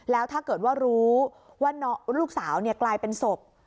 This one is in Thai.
แล้วถ้าเกิดว่ารู้ว่าลูกสาวกลายเป็นศพ